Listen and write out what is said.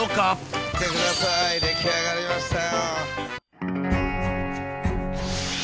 見てください出来上がりましたよ。